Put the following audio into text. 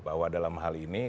bahwa dalam hal ini